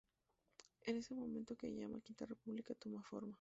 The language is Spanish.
Es en este momento que la llamada Quinta República toma forma.